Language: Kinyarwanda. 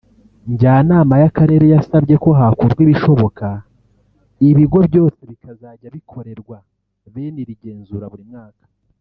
Njyanama y’Akarere yasabye ko hakorwa ibishoboka ibigo byose bikazajya bikorerwa bene iri genzura buri mwaka